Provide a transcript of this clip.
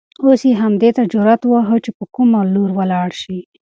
اوس یې همدې ته چرت واهه چې په کوم لور ولاړ شي.